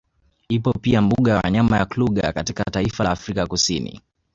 Ipo pia mbuga ya wanyama ya Kluger katika taifa la Afrika ya Kusini